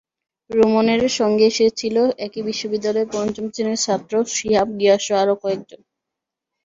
রুমনের সঙ্গে এসেছিল একই বিদ্যালয়ের পঞ্চম শ্রেণির ছাত্র সিহাব, গিয়াসসহ কয়েকজন।